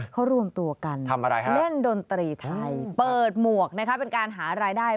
เขารวมตัวกันทำอะไรฮะเล่นดนตรีไทยเปิดหมวกนะคะเป็นการหารายได้